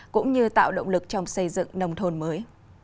cũng như tạo động lực trong xây dựng nông thôn mới